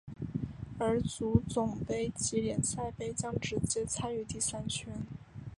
而足总杯及联赛杯将直接参与第三圈。